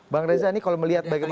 bang reza ini kalau melihat bagaimana